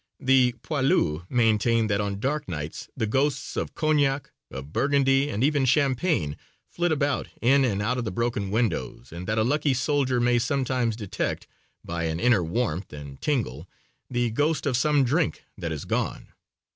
The poilus maintain that on dark nights the ghosts of cognac, of burgundy and even champagne flit about in and out of the broken windows and that a lucky soldier may sometimes detect, by an inner warmth and tingle, the ghost of some drink that is gone.